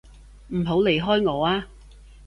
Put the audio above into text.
唔好離開我啊！